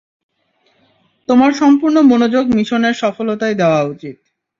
তোমার সম্পূর্ণ মনোযোগ মিশনের সফলতায় দেওয়া উচিত।